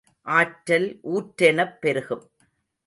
ஆற்றல் ஊற்றெனப் பெருகும்.